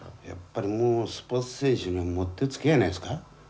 やっぱりもうスポーツ選手にはもううってつけやないですか。